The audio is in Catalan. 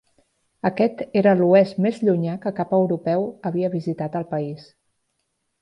Aquest era l'oest més llunyà que cap europeu havia visitat al país.